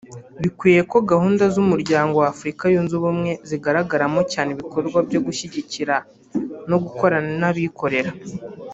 bikwiye ko gahunda z’umuryango w’Afurika yunze Ubumwe zigaragaramo cyane ibikorwa byo gushyigikira no gukorana n’abikorera